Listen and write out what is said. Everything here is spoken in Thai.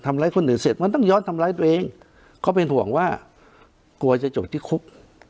คนอื่นเสร็จมันต้องย้อนทำร้ายตัวเองเขาเป็นห่วงว่ากลัวจะจบที่คุก